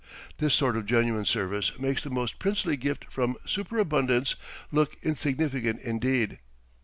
This sort of genuine service makes the most princely gift from superabundance look insignificant indeed.